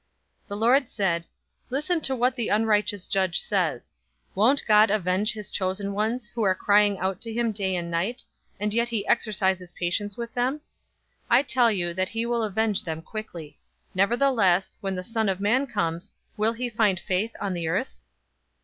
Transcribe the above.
'" 018:006 The Lord said, "Listen to what the unrighteous judge says. 018:007 Won't God avenge his chosen ones, who are crying out to him day and night, and yet he exercises patience with them? 018:008 I tell you that he will avenge them quickly. Nevertheless, when the Son of Man comes, will he find faith on the earth?"